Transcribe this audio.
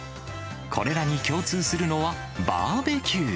これらに共通するのは、バーベキュー。